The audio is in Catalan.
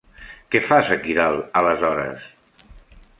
Què fas aquí dalt, aleshores?